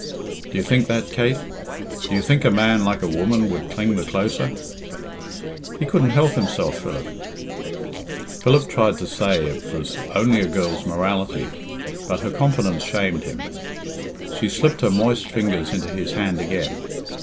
"Do you think that, Kate? Do you think a man, like a woman, would cling the closer?" "He couldn't help himself, Philip." Philip tried to say it was only a girl's morality, but her confidence shamed him. She slipped her moist fingers into his hand again.